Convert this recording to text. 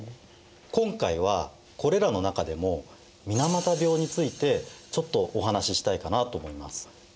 今回はこれらの中でも水俣病についてちょっとお話ししたいかなと思います。